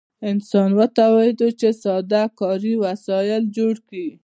انسان وتوانید چې ساده کاري وسایل جوړ کړي.